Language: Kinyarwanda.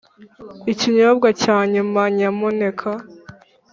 ikinyobwa cya nyuma, nyamuneka.